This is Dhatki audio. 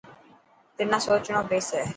تنان سوچڻو پيسي.